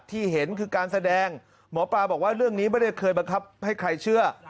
ที่เห็นคือการแสดงหมอปลาบอกว่าเรื่องนี้ไม่ได้เคยบังคับให้ใครเชื่อ